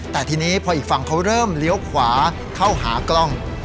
แต่ทีนี้พออีกฝั่งเขาเริ่มเลี้ยวขวาเข้าหากล้อง